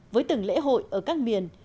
với từng lễ hội ở các miền